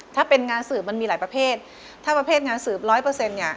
ถ้าเป็นงานสืบมันมีหลายประเภทถ้าประเภทงานสืบ๑๐๐เนี่ย